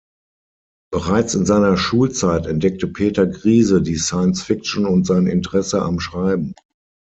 Bereits in seiner Schulzeit entdeckte Peter Griese die Science-Fiction und sein Interesse am Schreiben.